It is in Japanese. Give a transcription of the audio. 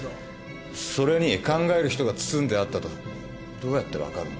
それに「考える人」が包んであったとどうやって分かるんだ？